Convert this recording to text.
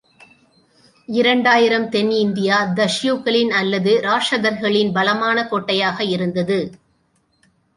இரண்டு ஆயிரம் தென் இந்தியா, தஸ்யூக்களின் அல்லது இராஷதர்களின் பலமான கோட்டையாக இருந்தது.